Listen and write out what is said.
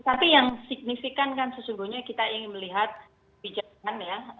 tapi yang signifikan kan sesungguhnya kita ingin melihat kebijakan ya